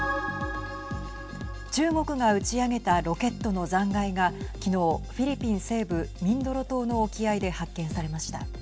中国が打ち上げたロケットの残骸が昨日、フィリピン西部ミンドロ島の沖合で発見されました。